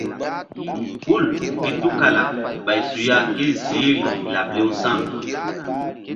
Hul gi tukala ɓay suya ké ziihri laɓ lewsa̧.